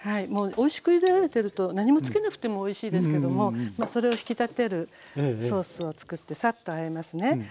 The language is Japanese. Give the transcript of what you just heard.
もうおいしくゆでられてると何も付けなくてもおいしいですけどもそれを引き立てるソースをつくってサッとあえますね。